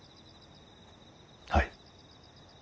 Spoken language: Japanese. はい。